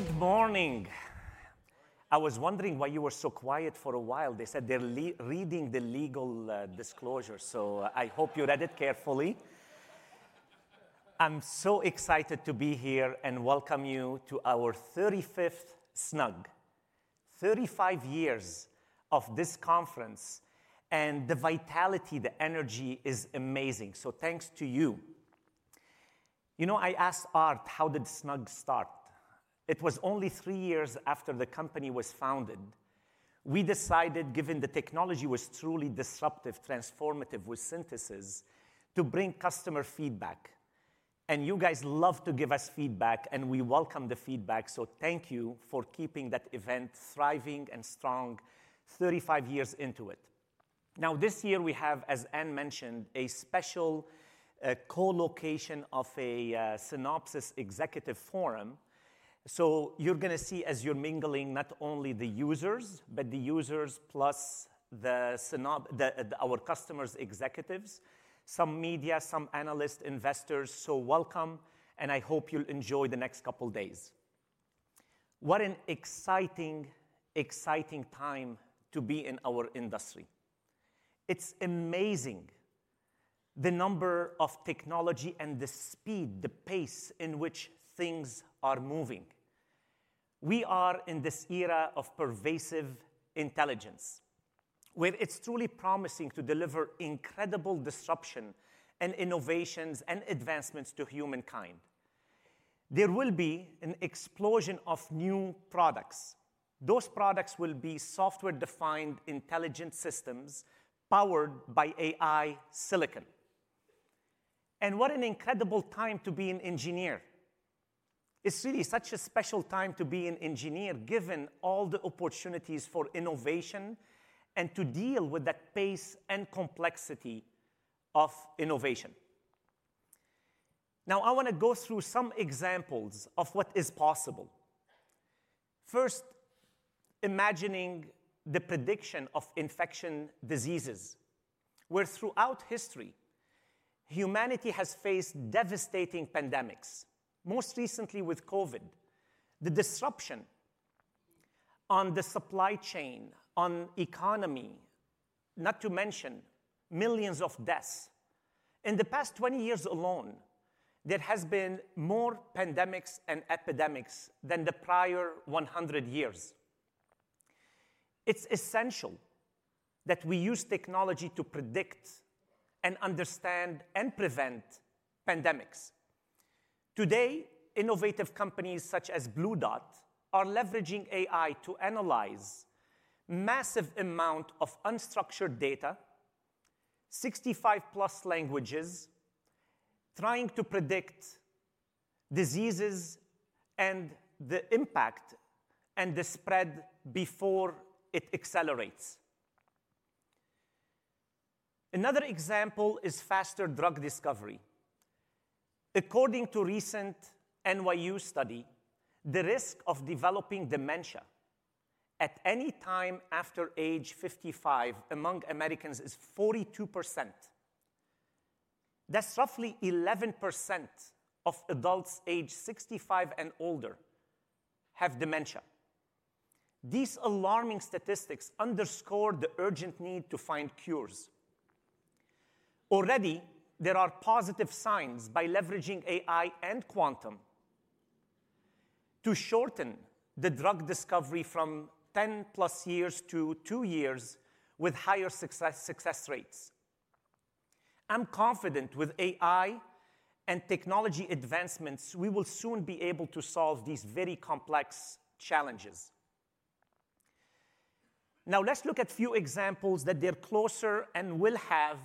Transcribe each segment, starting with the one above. Good morning. I was wondering why you were so quiet for a while. They said they're reading the legal disclosure, so I hope you read it carefully. I'm so excited to be here and welcome you to our 35th SNUG. Thirty-five years of this conference and the vitality, the energy is amazing. Thanks to you. You know, I asked Aart, how did SNUG start? It was only three years after the company was founded. We decided, given the technology was truly disruptive, transformative with synthesis, to bring customer feedback. You guys love to give us feedback, and we welcome the feedback. Thank you for keeping that event thriving and strong 35 years into it. This year we have, as Anne mentioned, a special co-location of a Synopsys Executive Forum. You're going to see, as you're mingling, not only the users, but the users plus our customers, executives, some media, some analysts, investors. Welcome, and I hope you'll enjoy the next couple of days. What an exciting, exciting time to be in our industry. It's amazing the number of technology and the speed, the pace in which things are moving. We are in this era of pervasive intelligence where it's truly promising to deliver incredible disruption and innovations and advancements to humankind. There will be an explosion of new products. Those products will be software-defined intelligent systems powered by AI silicon. What an incredible time to be an engineer. It's really such a special time to be an engineer, given all the opportunities for innovation and to deal with that pace and complexity of innovation. Now, I want to go through some examples of what is possible. First, imagining the prediction of infection diseases where, throughout history, humanity has faced devastating pandemics, most recently with COVID. The disruption on the supply chain, on the economy, not to mention millions of deaths. In the past 20 years alone, there have been more pandemics and epidemics than the prior 100 years. It's essential that we use technology to predict and understand and prevent pandemics. Today, innovative companies such as BlueDot are leveraging AI to analyze massive amounts of unstructured data, 65-plus languages, trying to predict diseases and the impact and the spread before it accelerates. Another example is faster drug discovery. According to a recent NYU study, the risk of developing dementia at any time after age 55 among Americans is 42%. That's roughly 11% of adults aged 65 and older who have dementia. These alarming statistics underscore the urgent need to find cures. Already, there are positive signs by leveraging AI and quantum to shorten the drug discovery from 10-plus years to two years with higher success rates. I'm confident with AI and technology advancements, we will soon be able to solve these very complex challenges. Now, let's look at a few examples that are closer and will have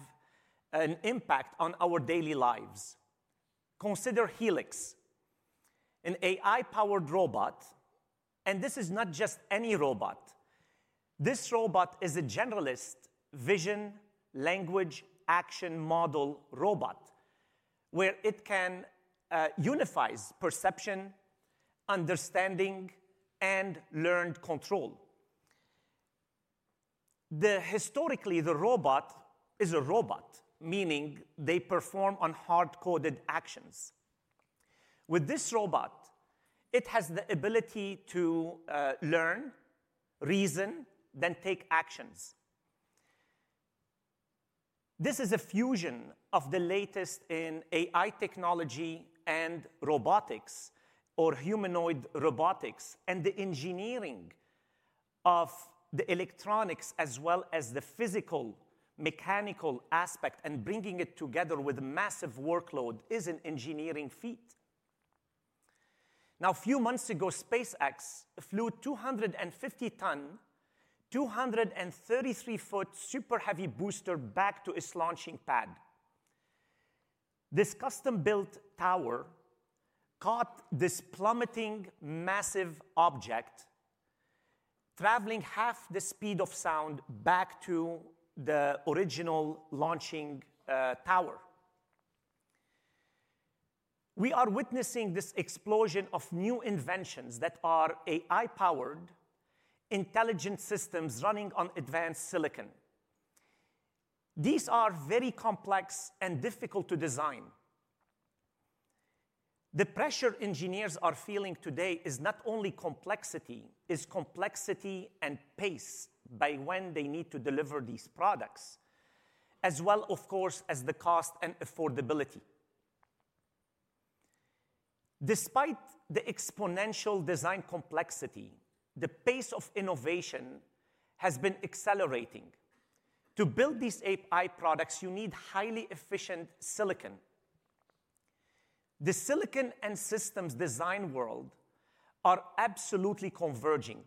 an impact on our daily lives. Consider Helix, an AI-powered robot. This is not just any robot. This robot is a generalist vision, language, action model robot where it can unify perception, understanding, and learned control. Historically, the robot is a robot, meaning they perform on hard-coded actions. With this robot, it has the ability to learn, reason, then take actions. This is a fusion of the latest in AI technology and robotics, or humanoid robotics, and the engineering of the electronics, as well as the physical mechanical aspect, and bringing it together with a massive workload is an engineering feat. Now, a few months ago, SpaceX flew a 250-ton, 233-foot super heavy booster back to its launching pad. This custom-built tower caught this plummeting massive object traveling half the speed of sound back to the original launching tower. We are witnessing this explosion of new inventions that are AI-powered intelligent systems running on advanced silicon. These are very complex and difficult to design. The pressure engineers are feeling today is not only complexity; it is complexity and pace by when they need to deliver these products, as well, of course, as the cost and affordability. Despite the exponential design complexity, the pace of innovation has been accelerating. To build these AI products, you need highly efficient silicon. The silicon and systems design world are absolutely converging,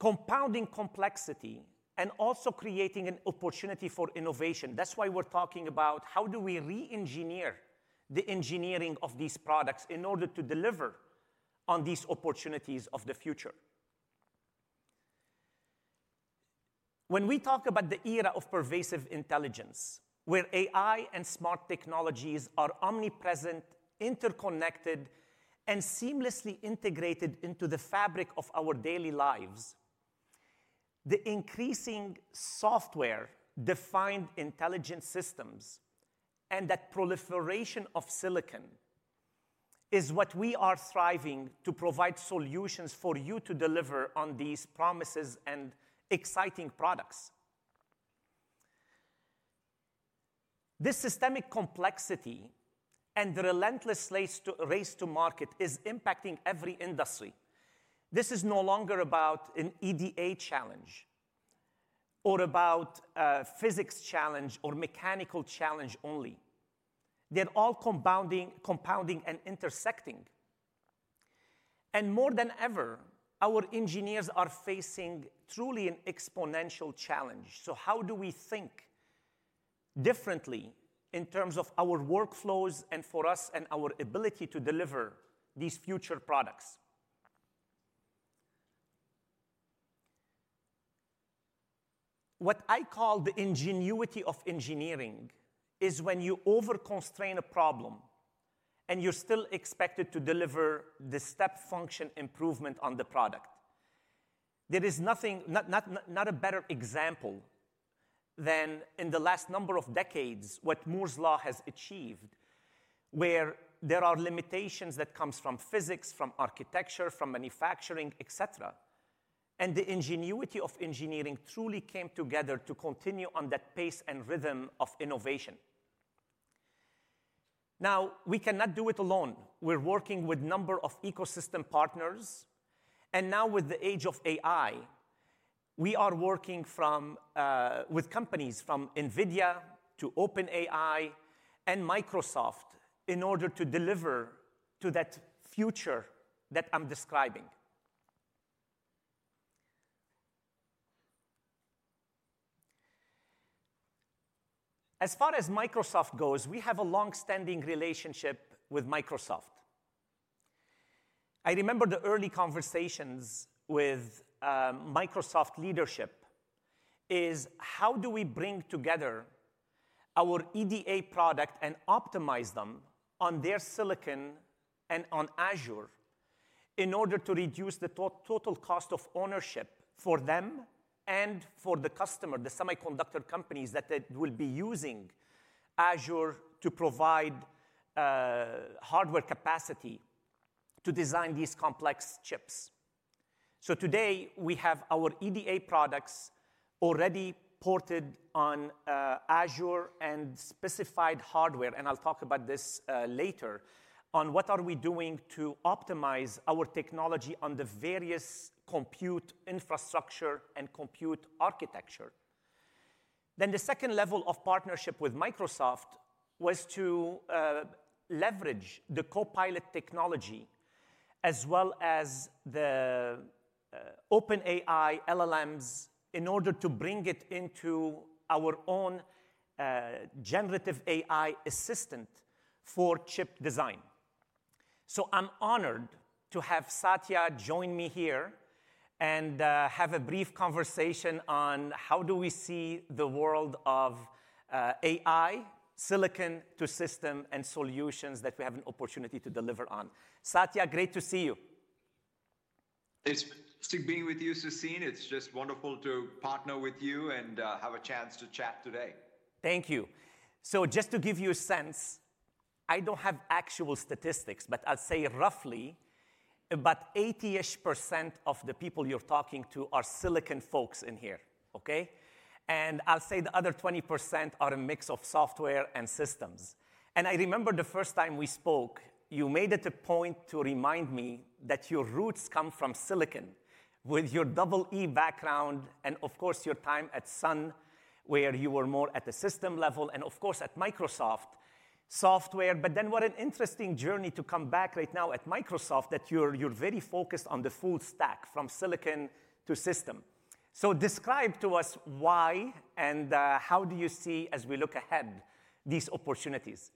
compounding complexity and also creating an opportunity for innovation. That's why we're talking about how do we re-engineer the engineering of these products in order to deliver on these opportunities of the future. When we talk about the era of pervasive intelligence, where AI and smart technologies are omnipresent, interconnected, and seamlessly integrated into the fabric of our daily lives, the increasing software-defined intelligent systems and that proliferation of silicon is what we are striving to provide solutions for you to deliver on these promises and exciting products. This systemic complexity and the relentless race to market is impacting every industry. This is no longer about an EDA challenge or about a physics challenge or mechanical challenge only. They're all compounding and intersecting. More than ever, our engineers are facing truly an exponential challenge. How do we think differently in terms of our workflows and for us and our ability to deliver these future products? What I call the ingenuity of engineering is when you over-constrain a problem and you're still expected to deliver the step function improvement on the product. There is not a better example than in the last number of decades what Moore's Law has achieved, where there are limitations that come from physics, from architecture, from manufacturing, et cetera. The ingenuity of engineering truly came together to continue on that pace and rhythm of innovation. Now, we cannot do it alone. We're working with a number of ecosystem partners. Now, with the age of AI, we are working with companies from NVIDIA to OpenAI and Microsoft in order to deliver to that future that I'm describing. As far as Microsoft goes, we have a long-standing relationship with Microsoft. I remember the early conversations with Microsoft leadership: how do we bring together our EDA product and optimize them on their silicon and on Azure in order to reduce the total cost of ownership for them and for the customer, the semiconductor companies that will be using Azure to provide hardware capacity to design these complex chips? Today, we have our EDA products already ported on Azure and specified hardware. I'll talk about this later on what we are doing to optimize our technology on the various compute infrastructure and compute architecture. The second level of partnership with Microsoft was to leverage the Copilot technology as well as the OpenAI LLMs in order to bring it into our own generative AI assistant for chip design. I'm honored to have Satya join me here and have a brief conversation on how do we see the world of AI, silicon to system and solutions that we have an opportunity to deliver on. Satya, great to see you. It's fantastic being with you, Sassine. It's just wonderful to partner with you and have a chance to chat today. Thank you. Just to give you a sense, I don't have actual statistics, but I'll say roughly about 80% of the people you're talking to are silicon folks in here, OK? I'll say the other 20% are a mix of software and systems. I remember the first time we spoke, you made it a point to remind me that your roots come from silicon with your double E background and, of course, your time at Sun where you were more at the system level and, of course, at Microsoft software. What an interesting journey to come back right now at Microsoft that you're very focused on the full stack from silicon to system. Describe to us why and how do you see, as we look ahead, these opportunities?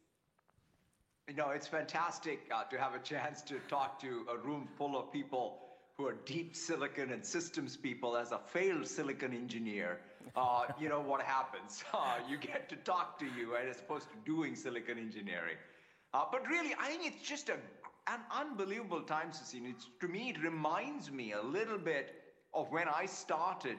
You know, it's fantastic to have a chance to talk to a room full of people who are deep silicon and systems people. As a failed silicon engineer, you know what happens. You get to talk to you as opposed to doing silicon engineering. Really, I think it's just an unbelievable time, Sassine. To me, it reminds me a little bit of when I started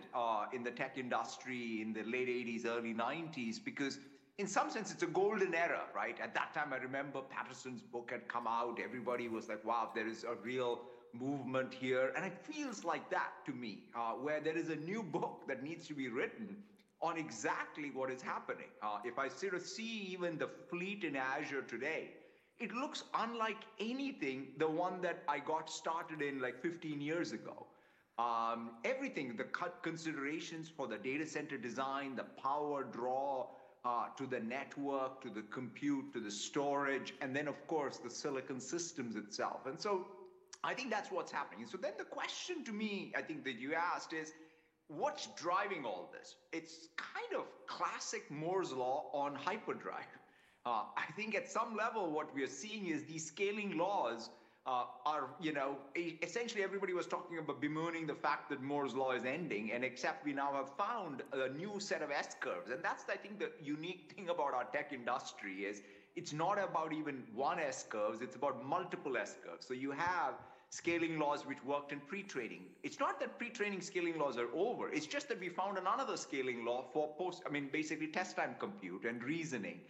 in the tech industry in the late 1980s, early 1990s, because in some sense, it's a golden era, right? At that time, I remember Patterson's book had come out. Everybody was like, wow, there is a real movement here. It feels like that to me, where there is a new book that needs to be written on exactly what is happening. If I sort of see even the fleet in Azure today, it looks unlike anything, the one that I got started in like 15 years ago. Everything, the considerations for the data center design, the power draw to the network, to the compute, to the storage, and then, of course, the silicon systems itself. I think that's what's happening. The question to me, I think, that you asked is, what's driving all this? It's kind of classic Moore's Law on hyperdrive. I think at some level, what we are seeing is these scaling laws are essentially everybody was talking about bemoaning the fact that Moore's Law is ending, except we now have found a new set of S curves. That's, I think, the unique thing about our tech industry is it's not about even one S curve. It's about multiple S curves. You have scaling laws which worked in pre-training. It's not that pre-training scaling laws are over. It's just that we found another scaling law for post, I mean, basically test time compute and reasoning.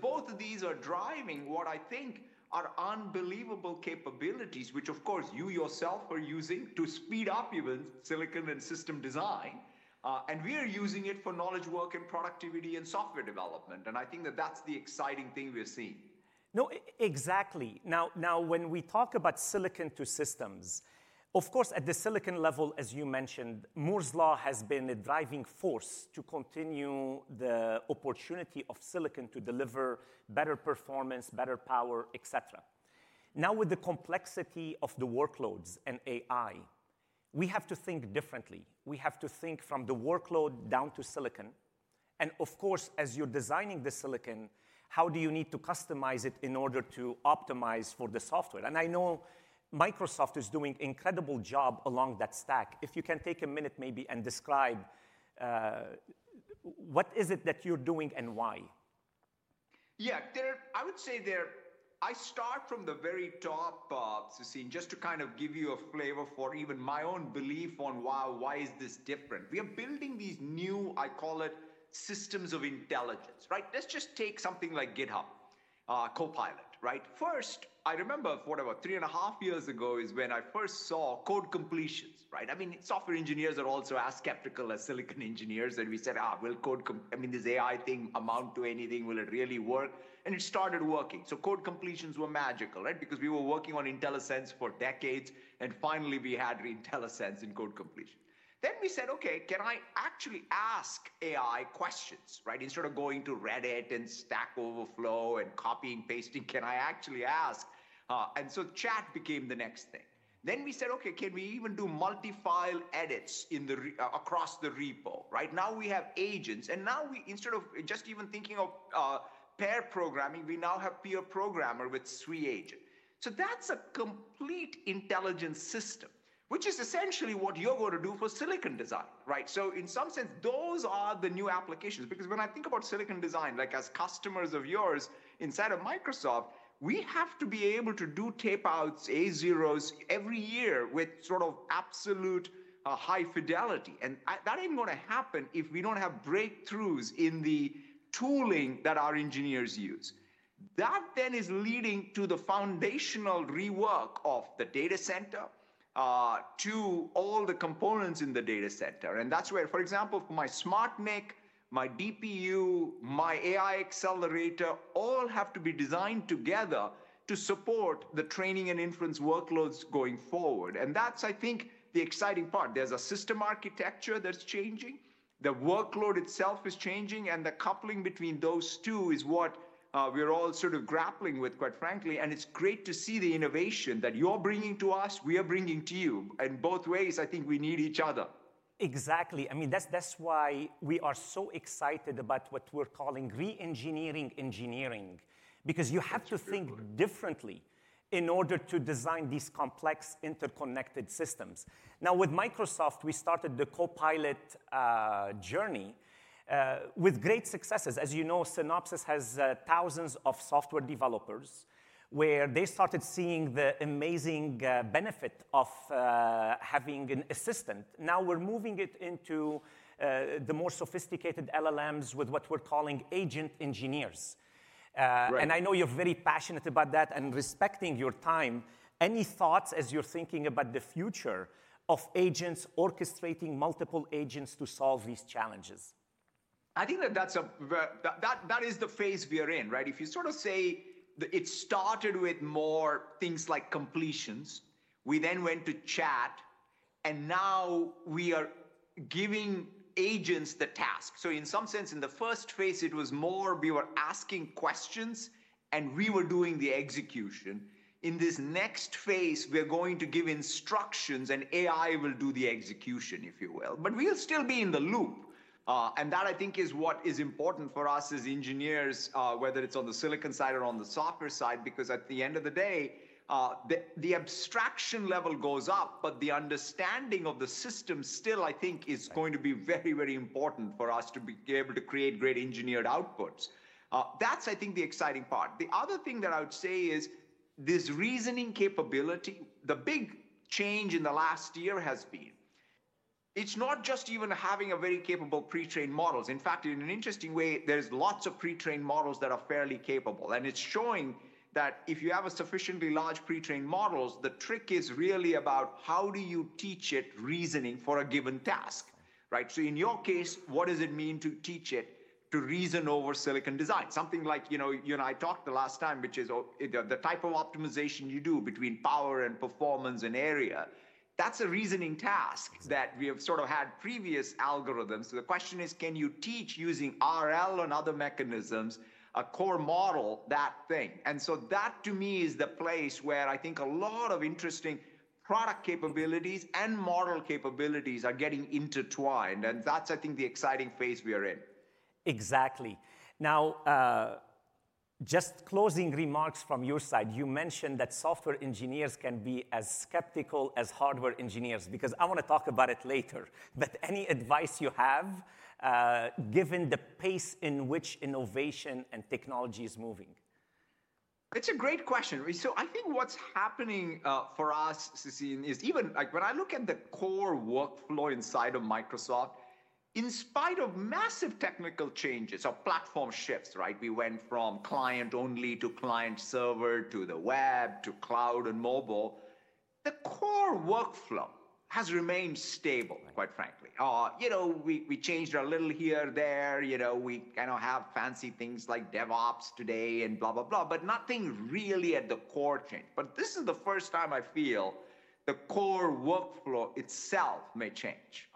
Both of these are driving what I think are unbelievable capabilities, which, of course, you yourself are using to speed up even silicon and system design. We are using it for knowledge work and productivity and software development. I think that that's the exciting thing we're seeing. No, exactly. Now, when we talk about silicon to systems, of course, at the silicon level, as you mentioned, Moore's Law has been a driving force to continue the opportunity of silicon to deliver better performance, better power, et cetera. Now, with the complexity of the workloads and AI, we have to think differently. We have to think from the workload down to silicon. Of course, as you're designing the silicon, how do you need to customize it in order to optimize for the software? I know Microsoft is doing an incredible job along that stack. If you can take a minute maybe and describe what is it that you're doing and why. Yeah, I would say I start from the very top, Sassine, just to kind of give you a flavor for even my own belief on why is this different. We are building these new, I call it, systems of intelligence, right? Let's just take something like GitHub, Copilot, right? First, I remember what about three and a half years ago is when I first saw code completions, right? I mean, software engineers are also as skeptical as silicon engineers. We said, will code, I mean, this AI thing amount to anything? Will it really work? It started working. Code completions were magical, right? Because we were working on IntelliSense for decades. Finally, we had IntelliSense in code completion. We said, OK, can I actually ask AI questions, right? Instead of going to Reddit and Stack Overflow and copying and pasting, can I actually ask? Chat became the next thing. Then we said, OK, can we even do multi-file edits across the repo, right? Now we have agents. Now we, instead of just even thinking of pair programming, we now have peer programmer with SWE-agent. That is a complete intelligent system, which is essentially what you're going to do for silicon design, right? In some sense, those are the new applications. Because when I think about silicon design, like as customers of yours inside of Microsoft, we have to be able to do tapeouts, A0s every year with sort of absolute high fidelity. That is not going to happen if we do not have breakthroughs in the tooling that our engineers use. That then is leading to the foundational rework of the data center to all the components in the data center. That is where, for example, my SmartNIC, my DPU, my AI accelerator all have to be designed together to support the training and inference workloads going forward. I think that is the exciting part. There is a system architecture that is changing. The workload itself is changing. The coupling between those two is what we are all sort of grappling with, quite frankly. It is great to see the innovation that you are bringing to us, we are bringing to you. Both ways, I think we need each other. Exactly. I mean, that's why we are so excited about what we're calling re-engineering engineering, because you have to think differently in order to design these complex interconnected systems. Now, with Microsoft, we started the Copilot journey with great successes. As you know, Synopsys has thousands of software developers where they started seeing the amazing benefit of having an assistant. Now we're moving it into the more sophisticated LLMs with what we're calling agent engineers. I know you're very passionate about that and respecting your time. Any thoughts as you're thinking about the future of agents orchestrating multiple agents to solve these challenges? I think that that is the phase we are in, right? If you sort of say it started with more things like completions, we then went to chat. Now we are giving agents the task. In some sense, in the first phase, it was more we were asking questions and we were doing the execution. In this next phase, we're going to give instructions and AI will do the execution, if you will. We'll still be in the loop. That, I think, is what is important for us as engineers, whether it's on the silicon side or on the software side, because at the end of the day, the abstraction level goes up, but the understanding of the system still, I think, is going to be very, very important for us to be able to create great engineered outputs. That's, I think, the exciting part. The other thing that I would say is this reasoning capability. The big change in the last year has been it's not just even having very capable pre-trained models. In fact, in an interesting way, there's lots of pre-trained models that are fairly capable. It's showing that if you have sufficiently large pre-trained models, the trick is really about how do you teach it reasoning for a given task, right? In your case, what does it mean to teach it to reason over silicon design? Something like you and I talked the last time, which is the type of optimization you do between power and performance and area. That's a reasoning task that we have sort of had previous algorithms. The question is, can you teach using RL and other mechanisms a core model that thing? That, to me, is the place where I think a lot of interesting product capabilities and model capabilities are getting intertwined. That is, I think, the exciting phase we are in. Exactly. Now, just closing remarks from your side, you mentioned that software engineers can be as skeptical as hardware engineers, because I want to talk about it later. Any advice you have given the pace in which innovation and technology is moving? It's a great question. I think what's happening for us, Sassine, is even when I look at the core workflow inside of Microsoft, in spite of massive technical changes or platform shifts, right? We went from client-only to client-server to the web to cloud and mobile. The core workflow has remained stable, quite frankly. We changed a little here or there. We kind of have fancy things like DevOps today and blah, blah, blah, but nothing really at the core changed. This is the first time I feel the core workflow itself may change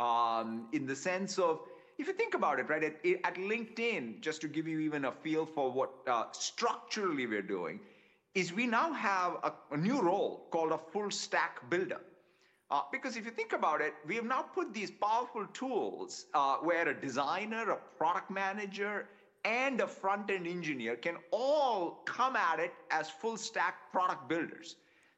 in the sense of if you think about it, right? At LinkedIn, just to give you even a feel for what structurally we're doing, is we now have a new role called a full stack builder. Because if you think about it, we have now put these powerful tools where a designer, a product manager, and a front-end engineer can all come at it as full stack product builders.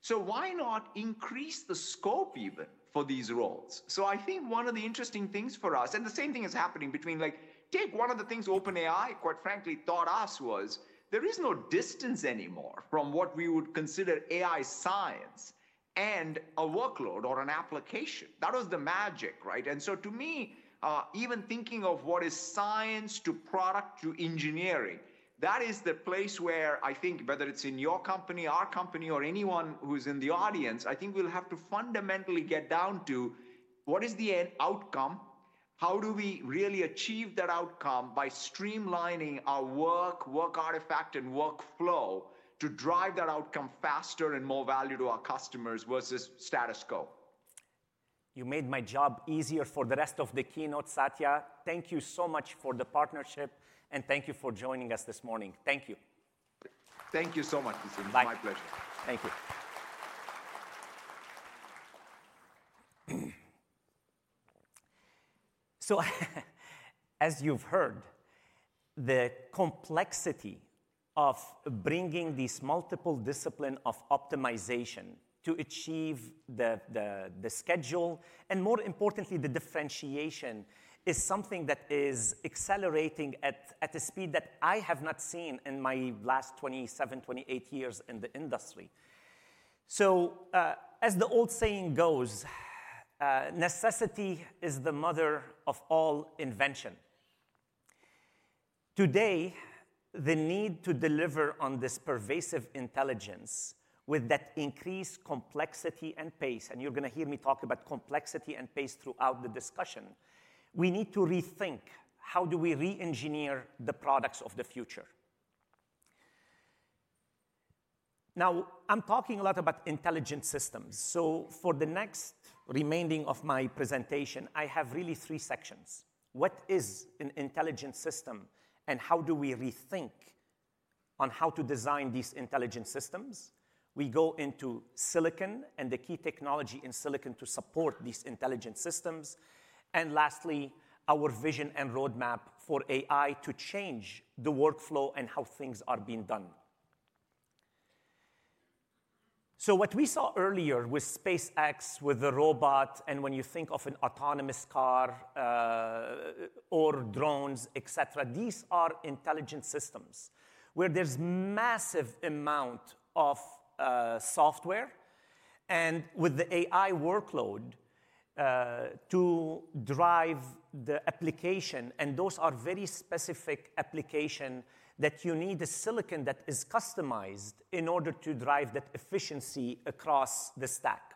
Why not increase the scope even for these roles? I think one of the interesting things for us, and the same thing is happening between like take one of the things OpenAI, quite frankly, taught us was there is no distance anymore from what we would consider AI science and a workload or an application. That was the magic, right? To me, even thinking of what is science to product to engineering, that is the place where I think, whether it's in your company, our company, or anyone who's in the audience, I think we'll have to fundamentally get down to what is the end outcome? How do we really achieve that outcome by streamlining our work, work artifact, and workflow to drive that outcome faster and more value to our customers versus status quo? You made my job easier for the rest of the keynote, Satya. Thank you so much for the partnership. Thank you for joining us this morning. Thank you. Thank you so much, Sassine. It's my pleasure. Thank you. As you've heard, the complexity of bringing these multiple disciplines of optimization to achieve the schedule and, more importantly, the differentiation is something that is accelerating at a speed that I have not seen in my last 27, 28 years in the industry. As the old saying goes, necessity is the mother of all invention. Today, the need to deliver on this pervasive intelligence with that increased complexity and pace, and you're going to hear me talk about complexity and pace throughout the discussion, we need to rethink how do we re-engineer the products of the future. Now, I'm talking a lot about intelligent systems. For the next remaining of my presentation, I have really three sections. What is an intelligent system and how do we rethink on how to design these intelligent systems? We go into silicon and the key technology in silicon to support these intelligent systems. Lastly, our vision and roadmap for AI to change the workflow and how things are being done. What we saw earlier with SpaceX, with the robot, and when you think of an autonomous car or drones, et cetera, these are intelligent systems where there's a massive amount of software and with the AI workload to drive the application. Those are very specific applications that you need a silicon that is customized in order to drive that efficiency across the stack.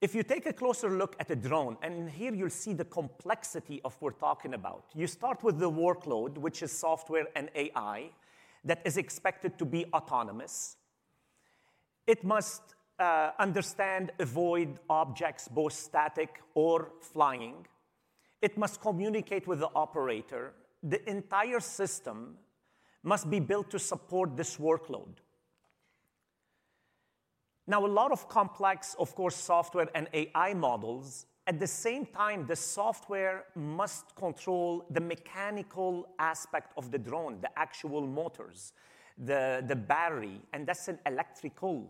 If you take a closer look at a drone, and here you'll see the complexity of what we're talking about, you start with the workload, which is software and AI that is expected to be autonomous. It must understand, avoid objects, both static or flying. It must communicate with the operator. The entire system must be built to support this workload. Now, a lot of complex, of course, software and AI models. At the same time, the software must control the mechanical aspect of the drone, the actual motors, the battery. And that's an electrical.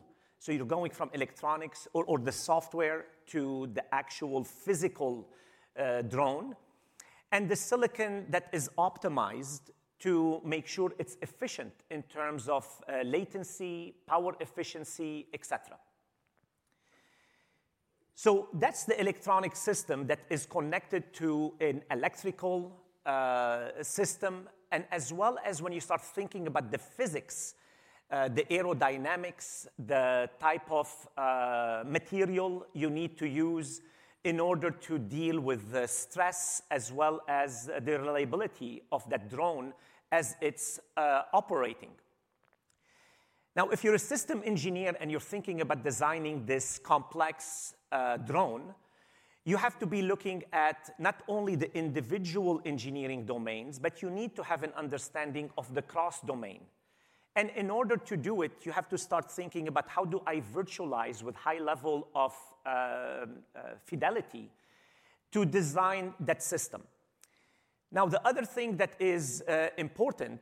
You are going from electronics or the software to the actual physical drone and the silicon that is optimized to make sure it's efficient in terms of latency, power efficiency, et cetera. That's the electronic system that is connected to an electrical system. As well as when you start thinking about the physics, the aerodynamics, the type of material you need to use in order to deal with the stress as well as the reliability of that drone as it's operating. Now, if you're a system engineer and you're thinking about designing this complex drone, you have to be looking at not only the individual engineering domains, but you need to have an understanding of the cross-domain. In order to do it, you have to start thinking about how do I virtualize with high level of fidelity to design that system. The other thing that is important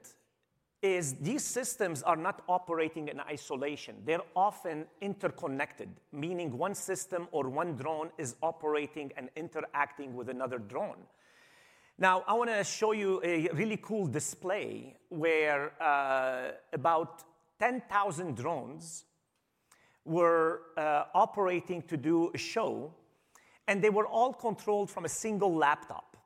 is these systems are not operating in isolation. They're often interconnected, meaning one system or one drone is operating and interacting with another drone. I want to show you a really cool display where about 10,000 drones were operating to do a show. They were all controlled from a single laptop.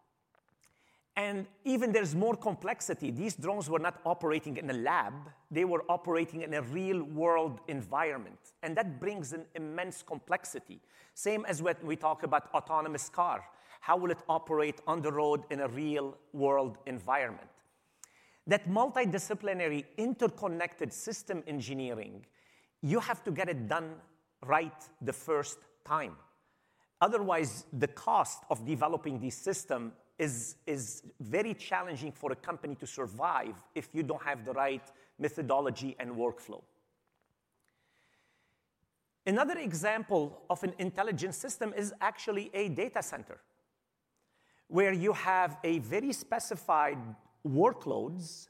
Even there's more complexity. These drones were not operating in a lab. They were operating in a real-world environment. That brings an immense complexity, same as when we talk about autonomous car. How will it operate on the road in a real-world environment? That multidisciplinary interconnected system engineering, you have to get it done right the first time. Otherwise, the cost of developing these systems is very challenging for a company to survive if you don't have the right methodology and workflow. Another example of an intelligent system is actually a data center where you have very specified workloads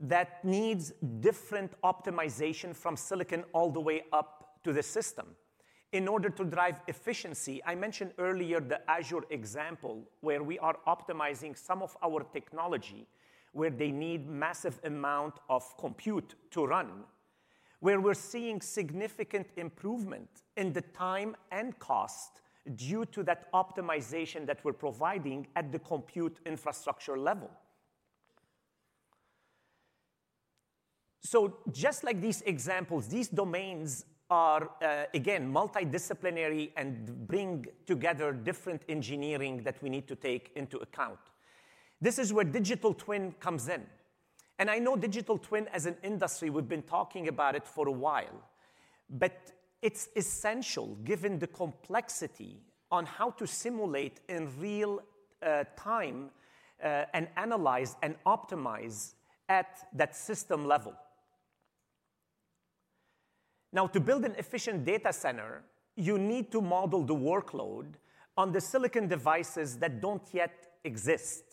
that need different optimization from silicon all the way up to the system in order to drive efficiency. I mentioned earlier the Azure example where we are optimizing some of our technology where they need a massive amount of compute to run, where we're seeing significant improvement in the time and cost due to that optimization that we're providing at the compute infrastructure level. Just like these examples, these domains are, again, multidisciplinary and bring together different engineering that we need to take into account. This is where digital twin comes in. I know digital twin as an industry, we've been talking about it for a while. It is essential given the complexity on how to simulate in real time and analyze and optimize at that system level. Now, to build an efficient data center, you need to model the workload on the silicon devices that do not yet exist.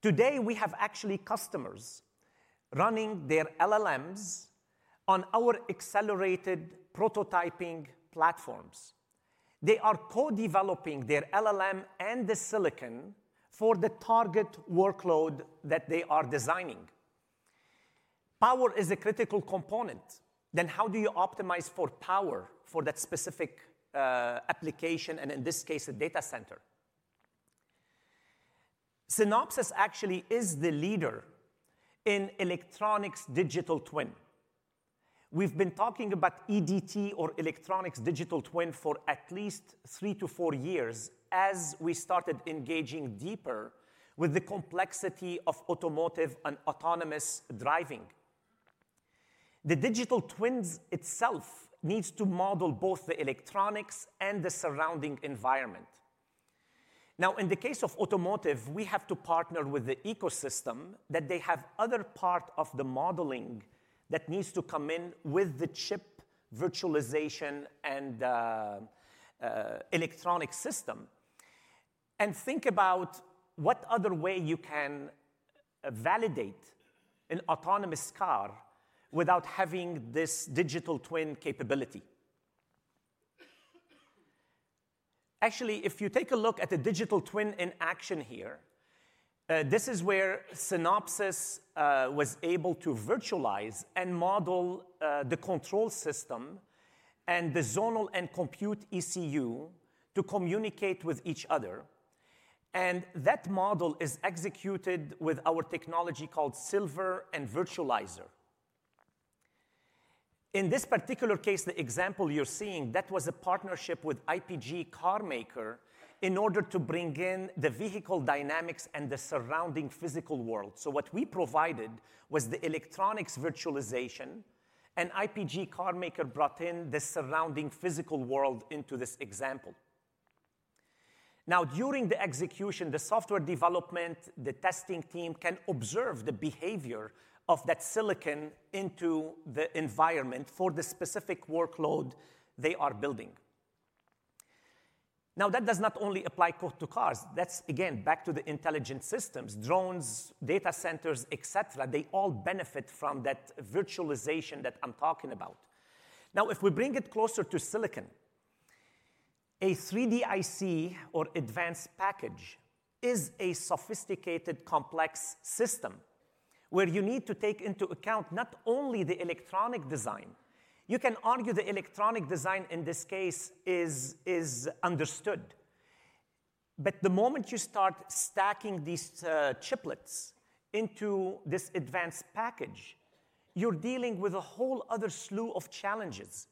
Today, we have actually customers running their LLMs on our accelerated prototyping platforms. They are co-developing their LLM and the silicon for the target workload that they are designing. Power is a critical component. How do you optimize for power for that specific application and, in this case, a data center? Synopsys actually is the leader in electronics digital twin. We've been talking about EDT or electronics digital twin for at least three to four years as we started engaging deeper with the complexity of automotive and autonomous driving. The digital twin itself needs to model both the electronics and the surrounding environment. Now, in the case of automotive, we have to partner with the ecosystem that they have other part of the modeling that needs to come in with the chip virtualization and electronic system. Think about what other way you can validate an autonomous car without having this digital twin capability. Actually, if you take a look at the digital twin in action here, this is where Synopsys was able to virtualize and model the control system and the zonal and compute ECU to communicate with each other. That model is executed with our technology called Silver and Virtualizer. In this particular case, the example you're seeing, that was a partnership with IPG CarMaker in order to bring in the vehicle dynamics and the surrounding physical world. What we provided was the electronics virtualization. IPG CarMaker brought in the surrounding physical world into this example. During the execution, the software development, the testing team can observe the behavior of that silicon into the environment for the specific workload they are building. That does not only apply to cars. That's, again, back to the intelligent systems, drones, data centers, et cetera. They all benefit from that virtualization that I'm talking about. If we bring it closer to silicon, a 3D IC or advanced package is a sophisticated, complex system where you need to take into account not only the electronic design. You can argue the electronic design in this case is understood. The moment you start stacking these chiplets into this advanced package, you're dealing with a whole other slew of challenges,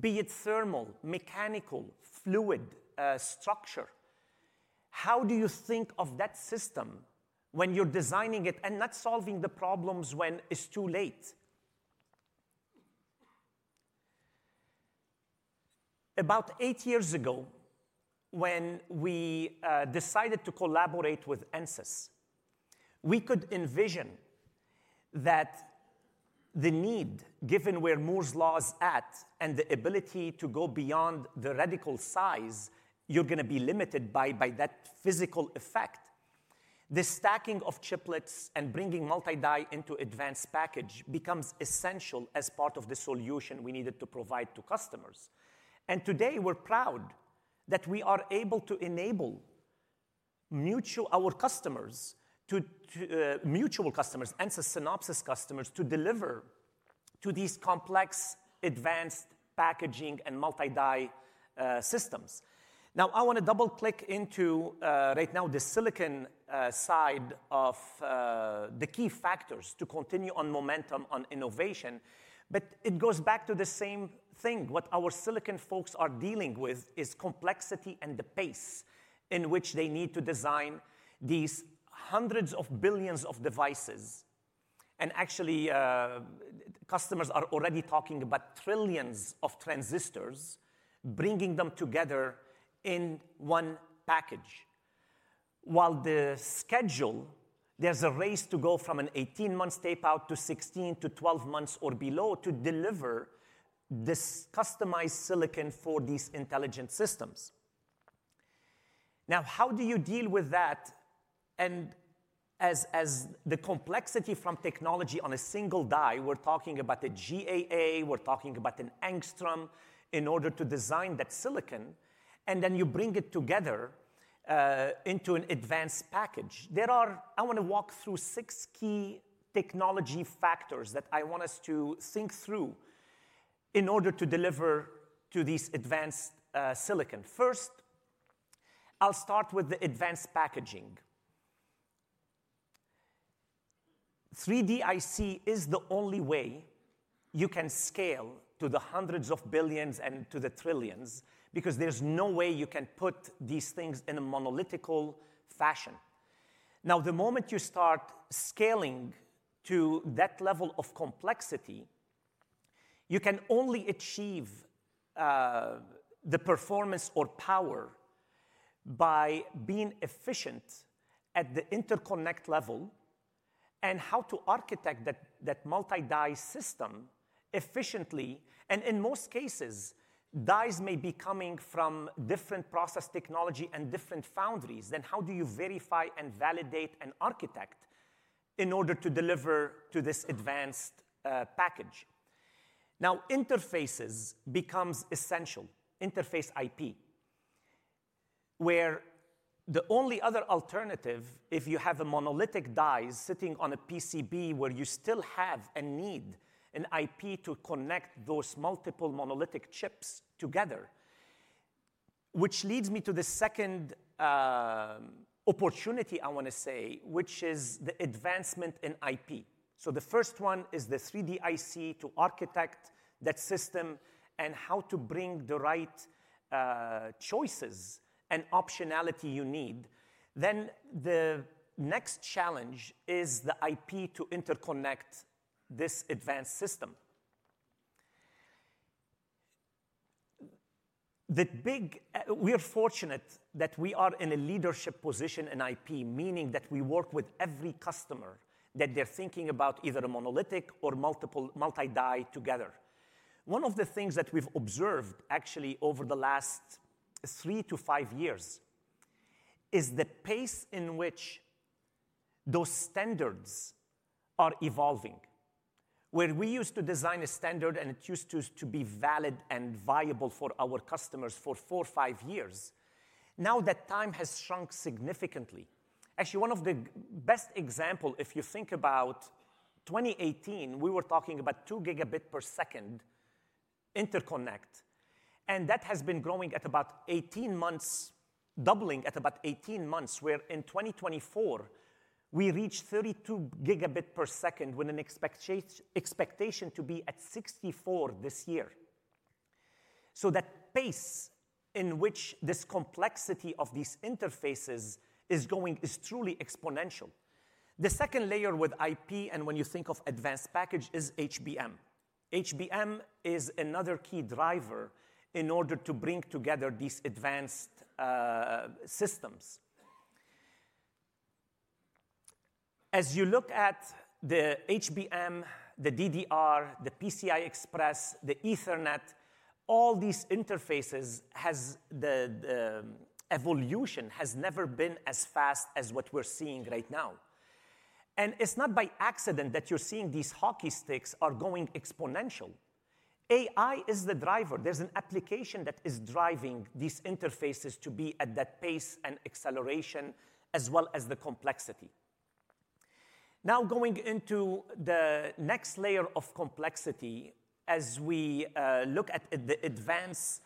be it thermal, mechanical, fluid structure. How do you think of that system when you're designing it and not solving the problems when it's too late? About eight years ago, when we decided to collaborate with Ansys, we could envision that the need given where Moore's law is at and the ability to go beyond the radical size, you're going to be limited by that physical effect. The stacking of chiplets and bringing multi-die into advanced package becomes essential as part of the solution we needed to provide to customers. Today, we're proud that we are able to enable our customers, Ansys Synopsys customers, to deliver to these complex, advanced packaging and multi-die systems. Now, I want to double-click into right now the silicon side of the key factors to continue on momentum on innovation. It goes back to the same thing. What our silicon folks are dealing with is complexity and the pace in which they need to design these hundreds of billions of devices. Actually, customers are already talking about trillions of transistors bringing them together in one package. While the schedule, there's a race to go from an 18-month tape out to 16 to 12 months or below to deliver this customized silicon for these intelligent systems. Now, how do you deal with that? As the complexity from technology on a single die, we're talking about a GAA. We're talking about an angstrom in order to design that silicon. Then you bring it together into an advanced package. I want to walk through six key technology factors that I want us to think through in order to deliver to these advanced silicon. First, I'll start with the advanced packaging. 3D IC is the only way you can scale to the hundreds of billions and to the trillions because there's no way you can put these things in a monolithical fashion. Now, the moment you start scaling to that level of complexity, you can only achieve the performance or power by being efficient at the interconnect level and how to architect that multi-die system efficiently. In most cases, dies may be coming from different process technology and different foundries. How do you verify and validate and architect in order to deliver to this advanced package? Now, interfaces become essential, interface IP, where the only other alternative if you have a monolithic die sitting on a PCB where you still have and need an IP to connect those multiple monolithic chips together, which leads me to the second opportunity I want to say, which is the advancement in IP. The first one is the 3D IC to architect that system and how to bring the right choices and optionality you need. The next challenge is the IP to interconnect this advanced system. We are fortunate that we are in a leadership position in IP, meaning that we work with every customer that they're thinking about either a monolithic or multi-die together. One of the things that we've observed actually over the last three to five years is the pace in which those standards are evolving. Where we used to design a standard and it used to be valid and viable for our customers for four, five years, now that time has shrunk significantly. Actually, one of the best examples, if you think about 2018, we were talking about 2 gigabit per second interconnect. That has been growing at about 18 months, doubling at about 18 months, where in 2024, we reached 32 gigabit per second with an expectation to be at 64 this year. That pace in which this complexity of these interfaces is going is truly exponential. The second layer with IP and when you think of advanced package is HBM. HBM is another key driver in order to bring together these advanced systems. As you look at the HBM, the DDR, the PCI Express, the Ethernet, all these interfaces, the evolution has never been as fast as what we're seeing right now. It's not by accident that you're seeing these hockey sticks are going exponential. AI is the driver. There's an application that is driving these interfaces to be at that pace and acceleration as well as the complexity. Now, going into the next layer of complexity as we look at the advanced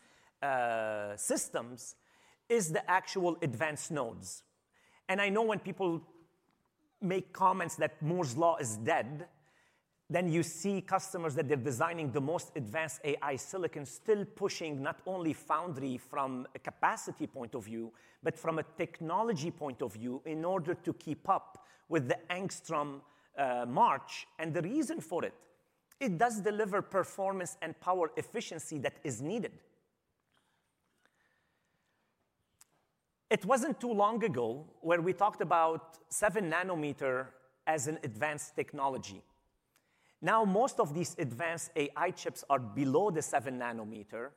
systems is the actual advanced nodes. I know when people make comments that Moore's law is dead, then you see customers that they're designing the most advanced AI silicon still pushing not only foundry from a capacity point of view, but from a technology point of view in order to keep up with the angstrom march. The reason for it, it does deliver performance and power efficiency that is needed. It wasn't too long ago where we talked about 7 nanometer as an advanced technology. Now, most of these advanced AI chips are below the 7 nanometer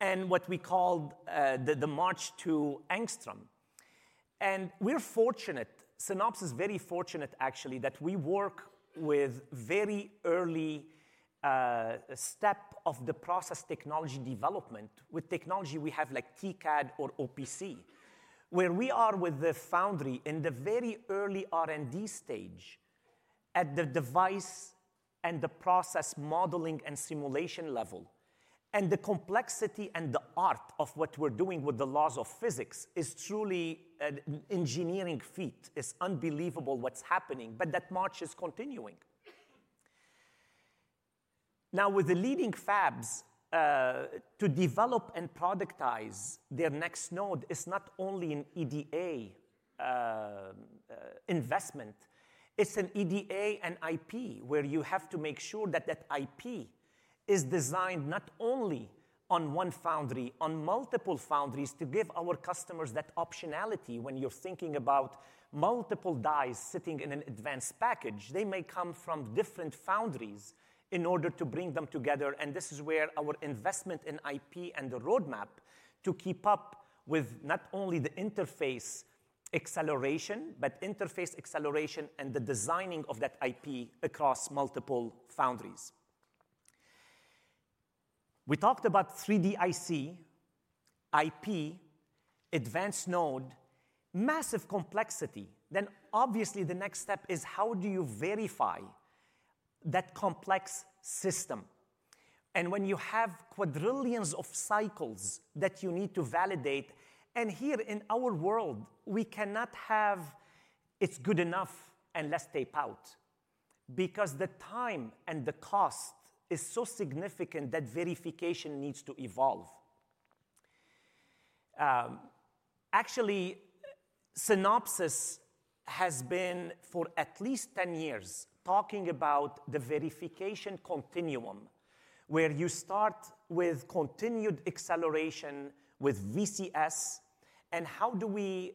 and what we called the March to angstrom. We're fortunate, Synopsys is very fortunate actually, that we work with very early step of the process technology development with technology we have like TCAD or OPC, where we are with the foundry in the very early R&D stage at the device and the process modeling and simulation level. The complexity and the art of what we're doing with the laws of physics is truly an engineering feat. It's unbelievable what's happening. That March is continuing. Now, with the leading fabs to develop and productize their next node, it's not only an EDA investment. It's an EDA and IP where you have to make sure that that IP is designed not only on one foundry, on multiple foundries to give our customers that optionality when you're thinking about multiple dies sitting in an advanced package. They may come from different foundries in order to bring them together. This is where our investment in IP and the roadmap to keep up with not only the interface acceleration, but interface acceleration and the designing of that IP across multiple foundries. We talked about 3D IC, IP, advanced node, massive complexity. Obviously the next step is how do you verify that complex system? When you have quadrillions of cycles that you need to validate, and here in our world, we cannot have it's good enough unless tape out because the time and the cost is so significant that verification needs to evolve. Actually, Synopsys has been for at least 10 years talking about the verification continuum where you start with continued acceleration with VCS and how do we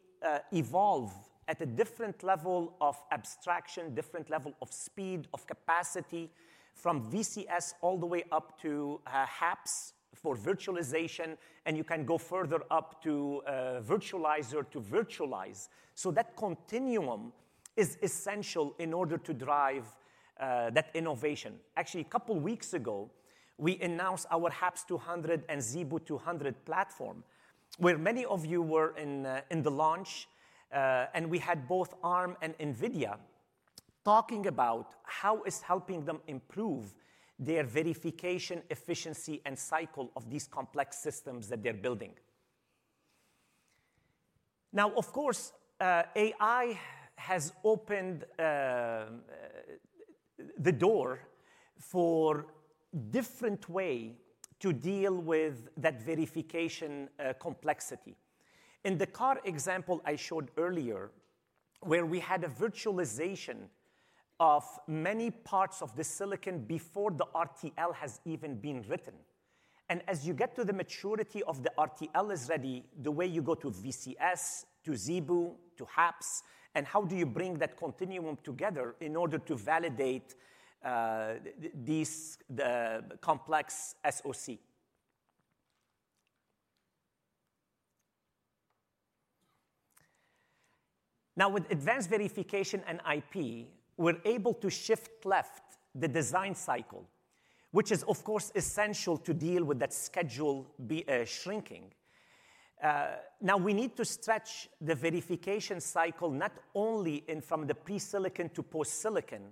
evolve at a different level of abstraction, different level of speed of capacity from VCS all the way up to HAPS for virtualization. You can go further up to Virtualizer to virtualize. That continuum is essential in order to drive that innovation. Actually, a couple of weeks ago, we announced our HAPS-200 and ZeBu-200 platform where many of you were in the launch. We had both Arm and NVIDIA talking about how it's helping them improve their verification efficiency and cycle of these complex systems that they're building. Now, of course, AI has opened the door for a different way to deal with that verification complexity. In the car example I showed earlier where we had a virtualization of many parts of the silicon before the RTL has even been written. As you get to the maturity of the RTL is ready, the way you go to VCS, to ZeBu, to HAPS, and how do you bring that continuum together in order to validate this complex SOC? Now, with advanced verification and IP, we're able to shift left the design cycle, which is, of course, essential to deal with that schedule shrinking. Now, we need to stretch the verification cycle not only from the pre-silicon to post-silicon.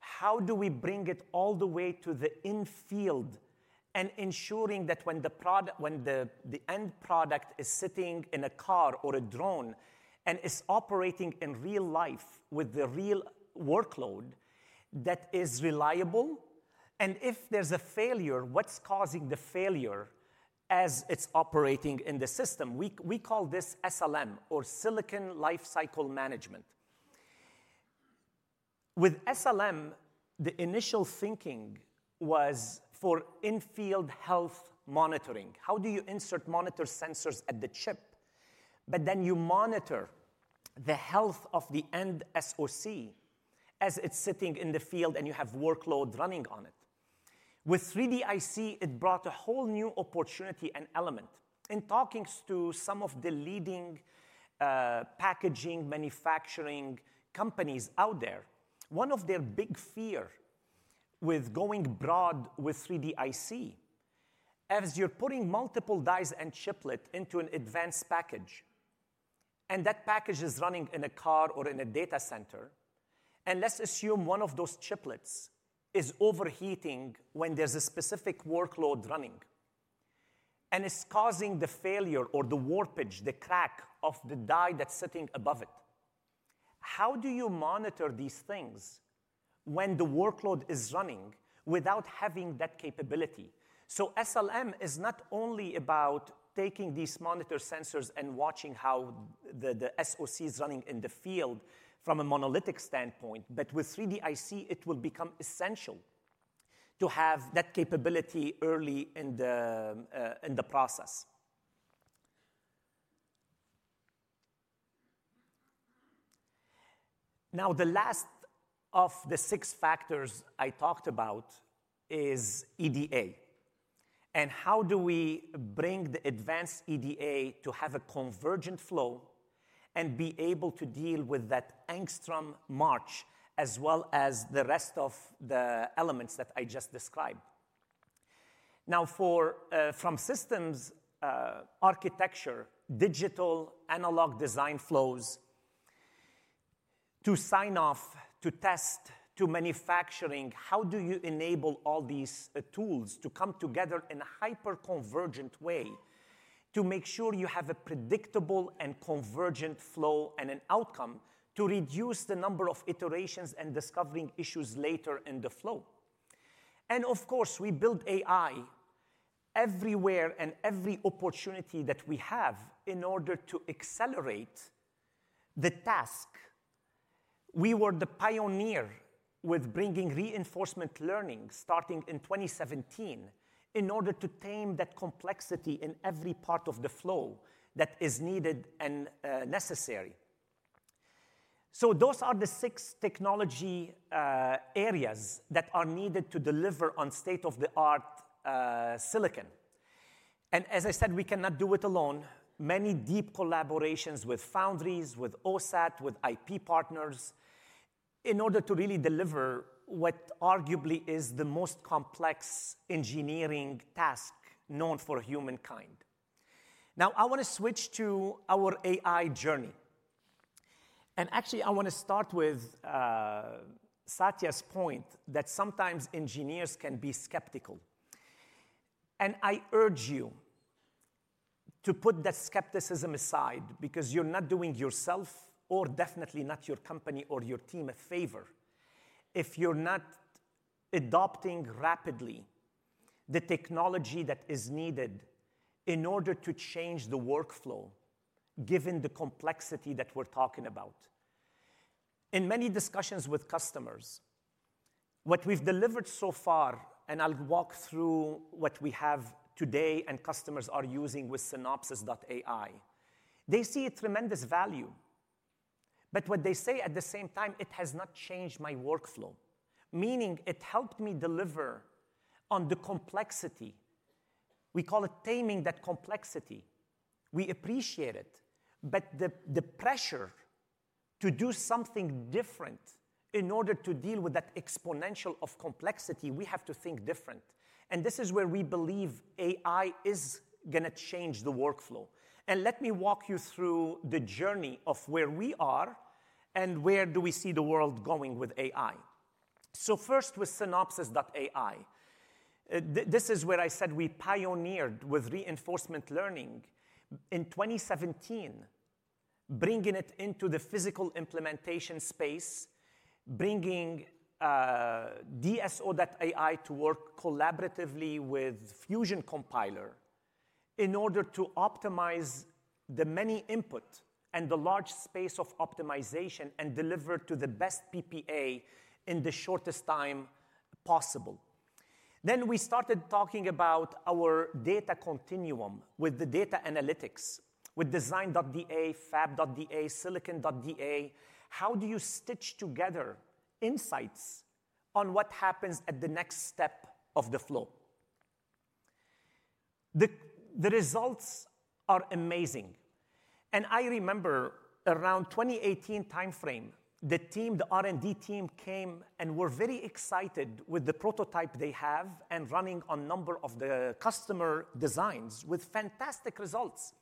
How do we bring it all the way to the infield and ensuring that when the end product is sitting in a car or a drone and is operating in real life with the real workload that is reliable? If there's a failure, what's causing the failure as it's operating in the system? We call this SLM or Silicon Lifecycle Management. With SLM, the initial thinking was for infield health monitoring. How do you insert monitor sensors at the chip? You monitor the health of the end SOC as it's sitting in the field and you have workload running on it. With 3D IC, it brought a whole new opportunity and element. In talking to some of the leading packaging manufacturing companies out there, one of their big fears with going broad with 3D IC is you're putting multiple dies and chiplets into an advanced package. That package is running in a car or in a data center. Let's assume one of those chiplets is overheating when there's a specific workload running and is causing the failure or the warpage, the crack of the die that's sitting above it. How do you monitor these things when the workload is running without having that capability? SLM is not only about taking these monitor sensors and watching how the SOC is running in the field from a monolithic standpoint, but with 3D IC, it will become essential to have that capability early in the process. Now, the last of the six factors I talked about is EDA. How do we bring the advanced EDA to have a convergent flow and be able to deal with that angstrom march as well as the rest of the elements that I just described? Now, from systems architecture, digital analog design flows to sign off to test to manufacturing, how do you enable all these tools to come together in a hyper-convergent way to make sure you have a predictable and convergent flow and an outcome to reduce the number of iterations and discovering issues later in the flow? Of course, we build AI everywhere and every opportunity that we have in order to accelerate the task. We were the pioneer with bringing reinforcement learning starting in 2017 in order to tame that complexity in every part of the flow that is needed and necessary. Those are the six technology areas that are needed to deliver on state-of-the-art silicon. As I said, we cannot do it alone. Many deep collaborations with foundries, with OSAT, with IP partners in order to really deliver what arguably is the most complex engineering task known for humankind. Now, I want to switch to our AI journey. Actually, I want to start with Satya's point that sometimes engineers can be skeptical. I urge you to put that skepticism aside because you're not doing yourself or definitely not your company or your team a favor if you're not adopting rapidly the technology that is needed in order to change the workflow given the complexity that we're talking about. In many discussions with customers, what we've delivered so far, and I'll walk through what we have today and customers are using with Synopsys.ai, they see a tremendous value. What they say at the same time, it has not changed my workflow, meaning it helped me deliver on the complexity. We call it taming that complexity. We appreciate it. The pressure to do something different in order to deal with that exponential of complexity, we have to think different. This is where we believe AI is going to change the workflow. Let me walk you through the journey of where we are and where do we see the world going with AI. First with Synopsys.ai, this is where I said we pioneered with reinforcement learning in 2017, bringing it into the physical implementation space, bringing DSO.ai to work collaboratively with Fusion Compiler in order to optimize the many inputs and the large space of optimization and deliver to the best PPA in the shortest time possible. We started talking about our data continuum with the data analytics with Design.da, Fab.da, Silicon.da. How do you stitch together insights on what happens at the next step of the flow? The results are amazing. I remember around the 2018 timeframe, the team, the R&D team came and were very excited with the prototype they have and running on a number of the customer designs with fantastic results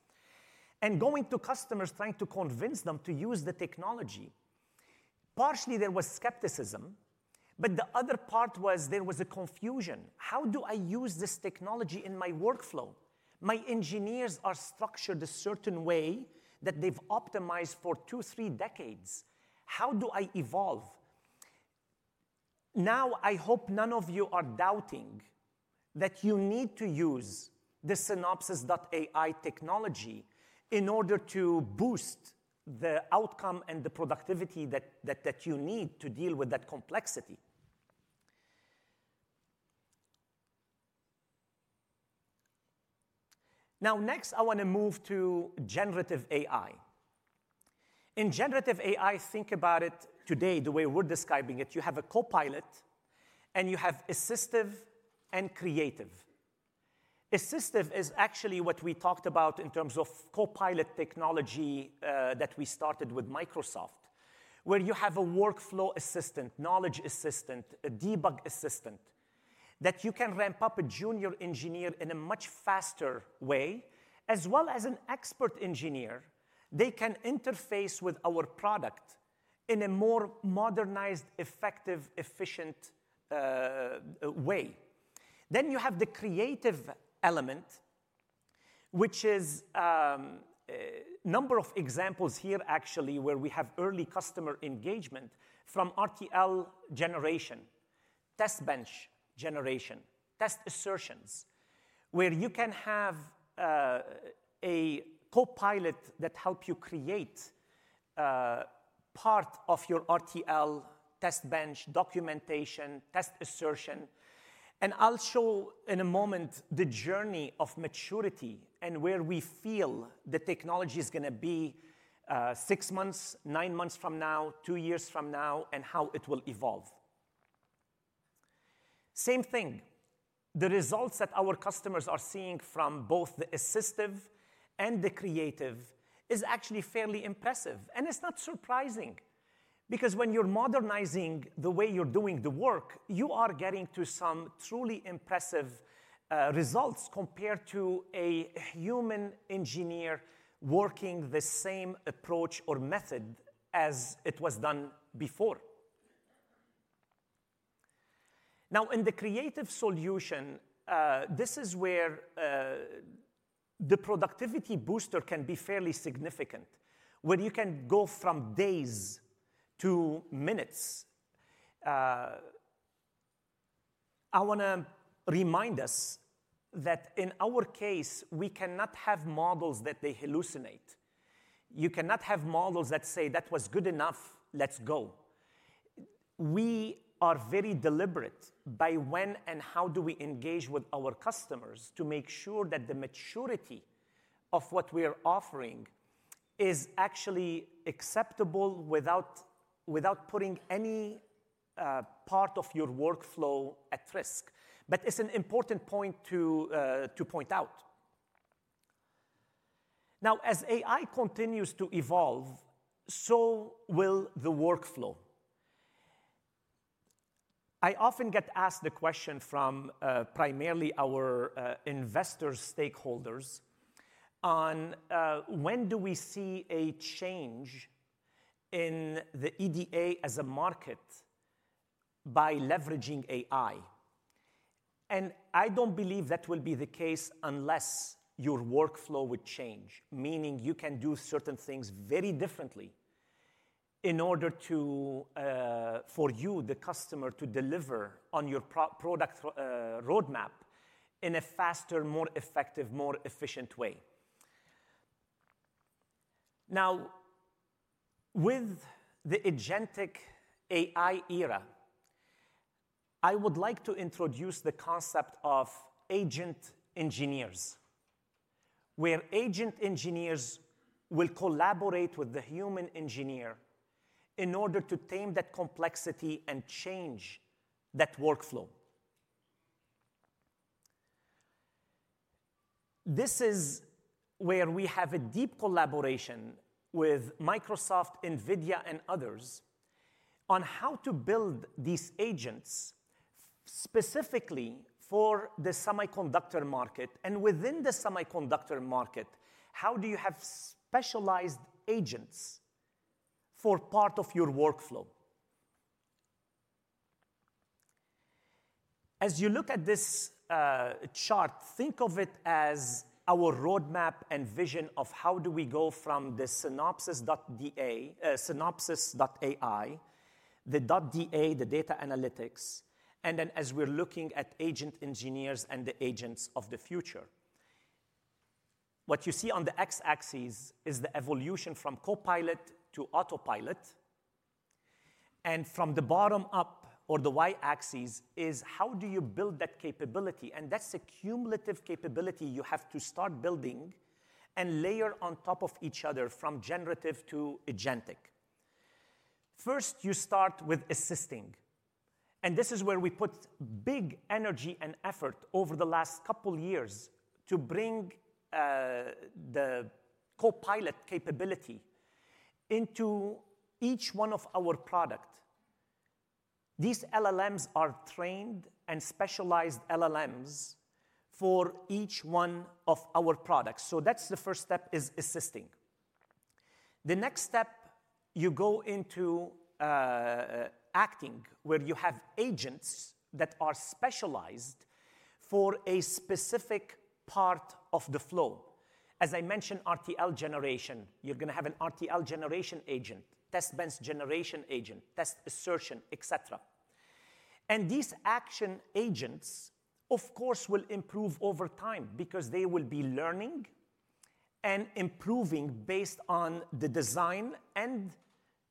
and going to customers trying to convince them to use the technology. Partially, there was skepticism, but the other part was there was a confusion. How do I use this technology in my workflow? My engineers are structured a certain way that they've optimized for two, three decades. How do I evolve? Now, I hope none of you are doubting that you need to use the Synopsys.ai technology in order to boost the outcome and the productivity that you need to deal with that complexity. Now, next, I want to move to generative AI. In generative AI, think about it today the way we're describing it. You have a copilot and you have assistive and creative. Assistive is actually what we talked about in terms of copilot technology that we started with Microsoft, where you have a workflow assistant, knowledge assistant, a debug assistant that you can ramp up a junior engineer in a much faster way, as well as an expert engineer. They can interface with our product in a more modernized, effective, efficient way. You have the creative element, which is a number of examples here actually where we have early customer engagement from RTL generation, test bench generation, test assertions, where you can have a copilot that helps you create part of your RTL test bench documentation, test assertion. I'll show in a moment the journey of maturity and where we feel the technology is going to be six months, nine months from now, two years from now, and how it will evolve. Same thing. The results that our customers are seeing from both the assistive and the creative is actually fairly impressive. It's not surprising because when you're modernizing the way you're doing the work, you are getting to some truly impressive results compared to a human engineer working the same approach or method as it was done before. Now, in the creative solution, this is where the productivity booster can be fairly significant, where you can go from days to minutes. I want to remind us that in our case, we cannot have models that they hallucinate. You cannot have models that say, "That was good enough. Let's go." We are very deliberate by when and how do we engage with our customers to make sure that the maturity of what we are offering is actually acceptable without putting any part of your workflow at risk. It is an important point to point out. Now, as AI continues to evolve, so will the workflow. I often get asked the question from primarily our investor stakeholders on when do we see a change in the EDA as a market by leveraging AI. I do not believe that will be the case unless your workflow would change, meaning you can do certain things very differently in order for you, the customer, to deliver on your product roadmap in a faster, more effective, more efficient way. Now, with the agentic AI era, I would like to introduce the concept of agent engineers, where agent engineers will collaborate with the human engineer in order to tame that complexity and change that workflow. This is where we have a deep collaboration with Microsoft, NVIDIA, and others on how to build these agents specifically for the semiconductor market. Within the semiconductor market, how do you have specialized agents for part of your workflow? As you look at this chart, think of it as our roadmap and vision of how do we go from the Synopsys.ai, the data analytics, and then as we're looking at agent engineers and the agents of the future. What you see on the x-axis is the evolution from Copilot to autopilot. From the bottom up or the y-axis is how do you build that capability. That's a cumulative capability you have to start building and layer on top of each other from generative to agentic. First, you start with assisting. This is where we put big energy and effort over the last couple of years to bring the Copilot capability into each one of our products. These LLMs are trained and specialized LLMs for each one of our products. The first step is assisting. The next step, you go into acting where you have agents that are specialized for a specific part of the flow. As I mentioned, RTL generation, you're going to have an RTL generation agent, test bench generation agent, test assertion, etc. These action agents, of course, will improve over time because they will be learning and improving based on the design and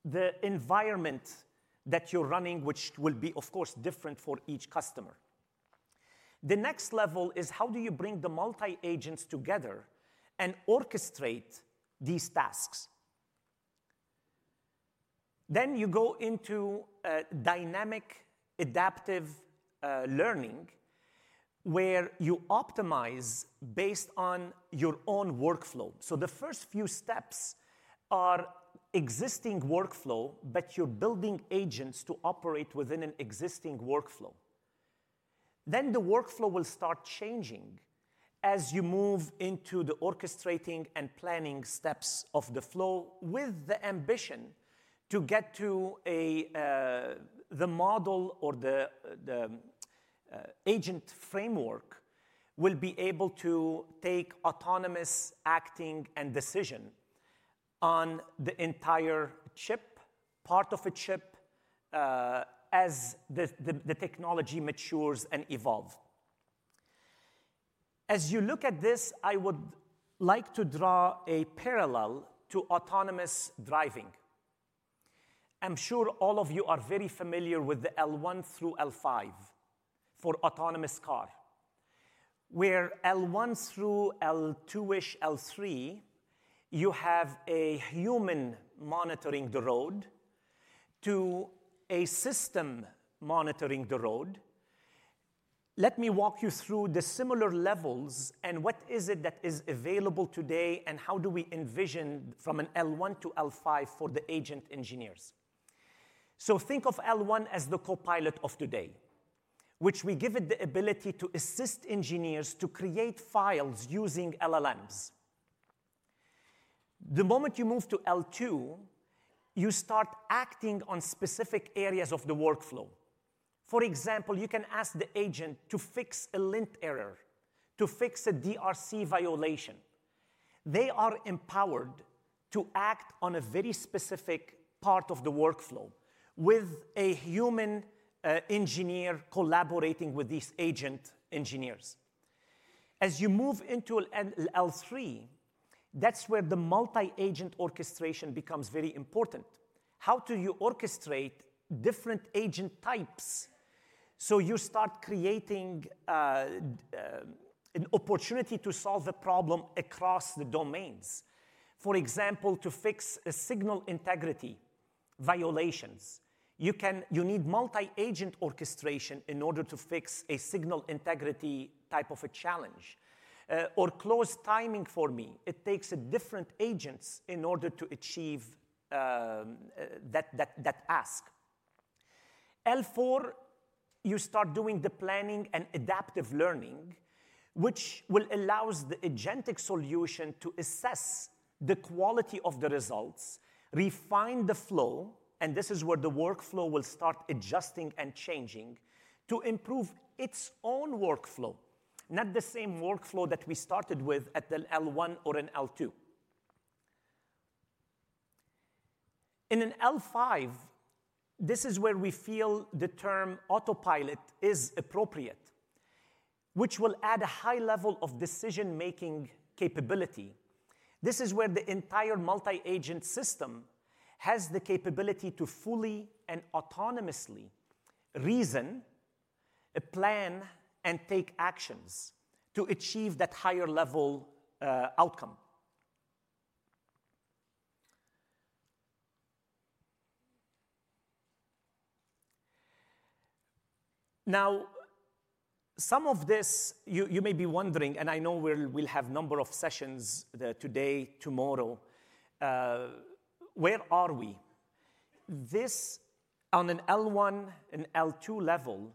the environment that you're running, which will be, of course, different for each customer. The next level is how do you bring the multi-agents together and orchestrate these tasks. You go into dynamic adaptive learning where you optimize based on your own workflow. The first few steps are existing workflow, but you're building agents to operate within an existing workflow. The workflow will start changing as you move into the orchestrating and planning steps of the flow with the ambition to get to the model or the agent framework will be able to take autonomous acting and decision on the entire chip, part of a chip as the technology matures and evolves. As you look at this, I would like to draw a parallel to autonomous driving. I'm sure all of you are very familiar with the L1 through L5 for autonomous car, where L1 through L2-ish, L3, you have a human monitoring the road to a system monitoring the road. Let me walk you through the similar levels and what is it that is available today and how do we envision from an L1 to L5 for the agent engineers. Think of L1 as the copilot of today, which we give it the ability to assist engineers to create files using LLMs. The moment you move to L2, you start acting on specific areas of the workflow. For example, you can ask the agent to fix a lint error, to fix a DRC violation. They are empowered to act on a very specific part of the workflow with a human engineer collaborating with these agent engineers. As you move into L3, that's where the multi-agent orchestration becomes very important. How do you orchestrate different agent types? You start creating an opportunity to solve the problem across the domains. For example, to fix a signal integrity violations, you need multi-agent orchestration in order to fix a signal integrity type of a challenge or close timing for me. It takes different agents in order to achieve that ask. L4, you start doing the planning and adaptive learning, which will allow the agentic solution to assess the quality of the results, refine the flow, and this is where the workflow will start adjusting and changing to improve its own workflow, not the same workflow that we started with at the L1 or in L2. In an L5, this is where we feel the term autopilot is appropriate, which will add a high level of decision-making capability. This is where the entire multi-agent system has the capability to fully and autonomously reason a plan and take actions to achieve that higher-level outcome. Now, some of this, you may be wondering, and I know we'll have a number of sessions today, tomorrow. Where are we? This, on an L1 and L2 level,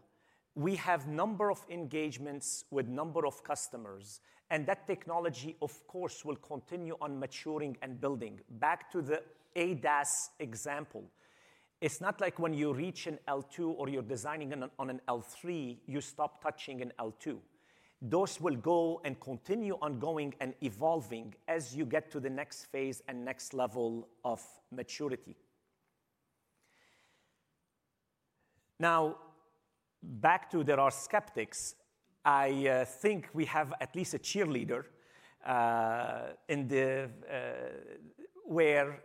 we have a number of engagements with a number of customers. And that technology, of course, will continue on maturing and building. Back to the ADAS example. It's not like when you reach an L2 or you're designing on an L3, you stop touching an L2. Those will go and continue on going and evolving as you get to the next phase and next level of maturity. Now, back to there are skeptics. I think we have at least a cheerleader where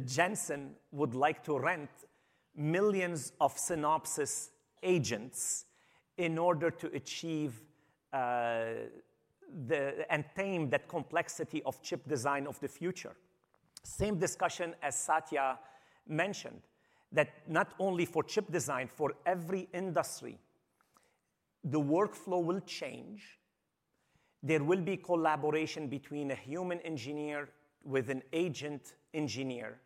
Jensen would like to rent millions of Synopsys agents in order to achieve and tame that complexity of chip design of the future. Same discussion as Satya mentioned, that not only for chip design, for every industry, the workflow will change. There will be collaboration between a human engineer with an agent engineer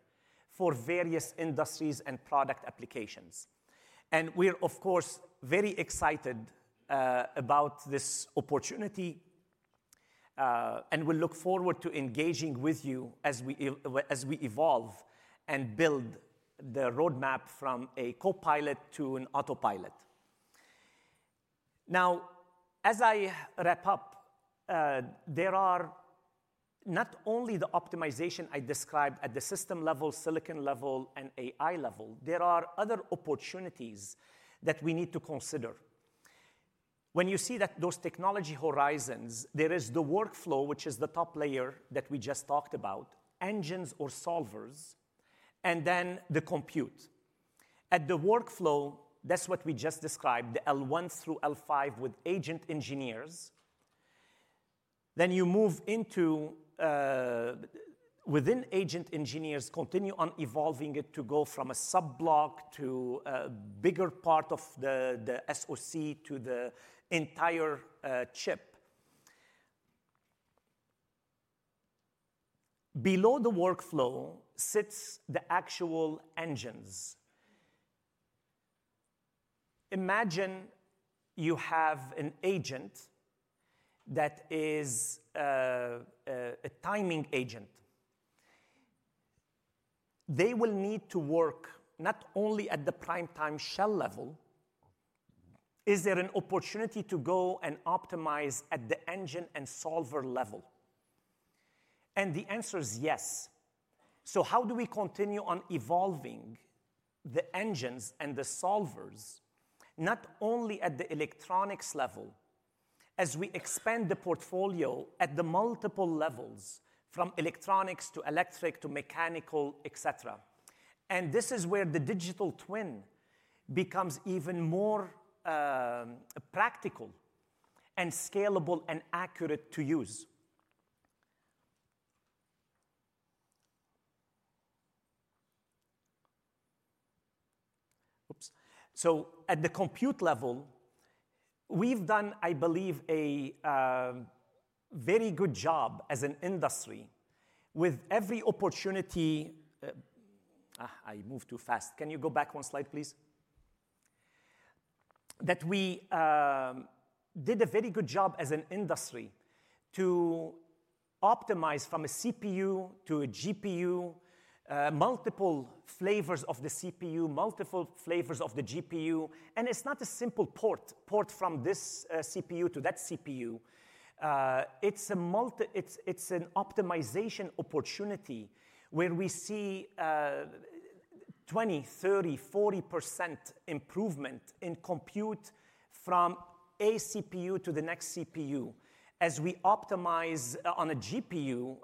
for various industries and product applications. We are, of course, very excited about this opportunity and will look forward to engaging with you as we evolve and build the roadmap from a copilot to an autopilot. Now, as I wrap up, there are not only the optimization I described at the system level, silicon level, and AI level. There are other opportunities that we need to consider. When you see those technology horizons, there is the workflow, which is the top layer that we just talked about, engines or solvers, and then the compute. At the workflow, that is what we just described, the L1 through L5 with agent engineers. You move into within agent engineers, continue on evolving it to go from a subblock to a bigger part of the SoC to the entire chip. Below the workflow sits the actual engines. Imagine you have an agent that is a timing agent. They will need to work not only at the PrimeTime shell level. Is there an opportunity to go and optimize at the engine and solver level? The answer is yes. How do we continue on evolving the engines and the solvers, not only at the electronics level, as we expand the portfolio at the multiple levels from electronics to electric to mechanical, etc.? This is where the digital twin becomes even more practical and scalable and accurate to use. Oops. At the compute level, we've done, I believe, a very good job as an industry with every opportunity. I moved too fast. Can you go back one slide, please? That we did a very good job as an industry to optimize from a CPU to a GPU, multiple flavors of the CPU, multiple flavors of the GPU. It's not a simple port, port from this CPU to that CPU. It's an optimization opportunity where we see 20%, 30%, 40% improvement in compute from a CPU to the next CPU. As we optimize on a GPU,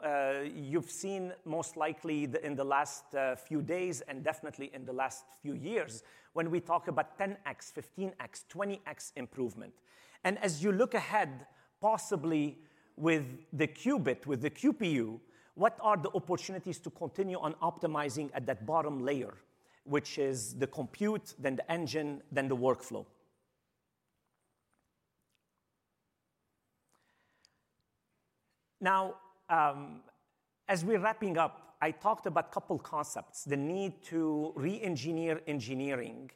you've seen most likely in the last few days and definitely in the last few years when we talk about 10x, 15x, 20x improvement. As you look ahead, possibly with the qubit, with the QPU, what are the opportunities to continue on optimizing at that bottom layer, which is the compute, then the engine, then the workflow? Now, as we're wrapping up, I talked about a couple of concepts, the need to re-engineer engineering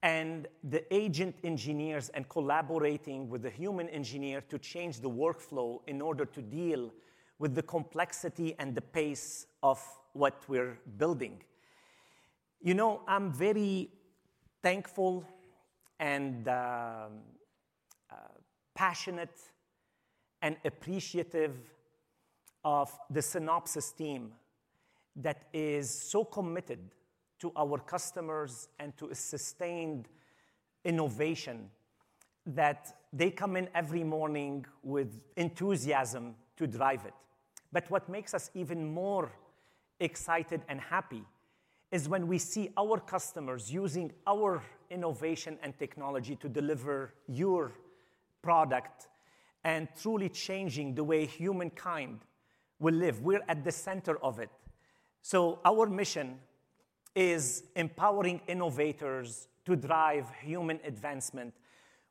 and the agent engineers and collaborating with the human engineer to change the workflow in order to deal with the complexity and the pace of what we're building. I'm very thankful and passionate and appreciative of the Synopsys team that is so committed to our customers and to sustained innovation that they come in every morning with enthusiasm to drive it. What makes us even more excited and happy is when we see our customers using our innovation and technology to deliver your product and truly changing the way humankind will live. We're at the center of it. Our mission is empowering innovators to drive human advancement.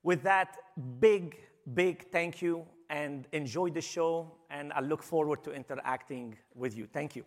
With that, big, big thank you and enjoy the show, and I look forward to interacting with you. Thank you.